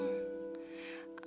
masalah yang dateng